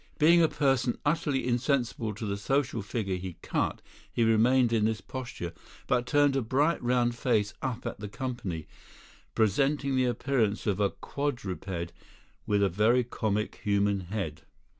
Being a person utterly insensible to the social figure he cut, he remained in this posture, but turned a bright round face up at the company, presenting the appearance of a quadruped with a very comic human head.